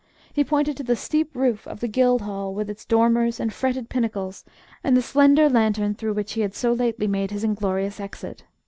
He pointed to the steep roof of the Guildhall, with its dormers and fretted pinnacles, and the slender lantern through which he had so lately made his inglorious exit.